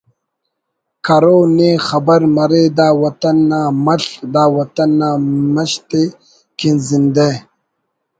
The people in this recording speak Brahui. کرو نے خبر مرے دا وطن نا مل/ دا وطن نا مش تے کن زندہ